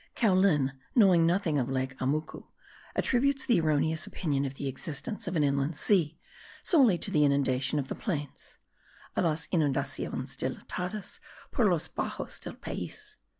Caulin, knowing nothing of lake Amucu, attributes the erroneous opinion of the existence of an inland sea solely to the inundations of the plains (a las inundaciones dilatadas por los bajos del pais).